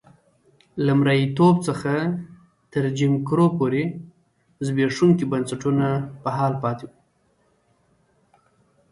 له مریتوب څخه تر جیم کرو پورې زبېښونکي بنسټونه په حال پاتې وو.